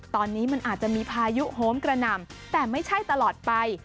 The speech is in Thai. ตอนนี้มันอาจจะมีพายุโฮมกระหน่ำแต่ไม่ใช่ตลอดไป